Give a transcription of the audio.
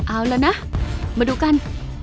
เอาละนะมาดูกัน